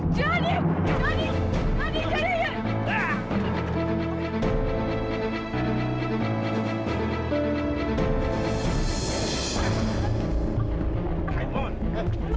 jadinya jadinya jadinya